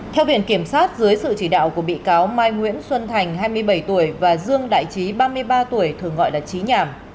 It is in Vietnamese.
theo viện kiểm sát dưới sự chỉ đạo của bị cáo mai nguyễn xuân thành hai mươi bảy tuổi và dương đại trí ba mươi ba tuổi thường gọi là trí nhảm